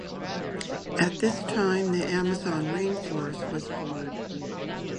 At this time the Amazon rainforest was born.